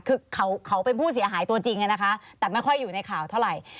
คือเขาเป็นผู้เสียหายตัวจริงนะคะแต่ไม่ค่อยอยู่ในข่าวเท่าไหร่